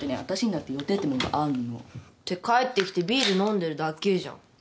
私にだって予定ってもんがあんの。って帰ってきてビール飲んでるだけじゃん。